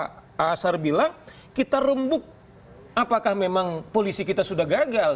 pak asar bilang kita rembuk apakah memang polisi kita sudah gagal